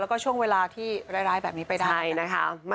แล้วก็ช่วงเวลาที่ร้ายแบบนี้ไปได้นะคะ